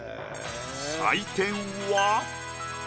採点は。